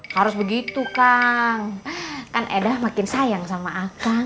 harus begitu kang kan edah makin sayang sama akang